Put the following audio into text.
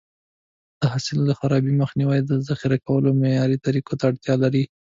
د حاصل د خرابي مخنیوی د ذخیره کولو معیاري طریقو ته اړتیا لري.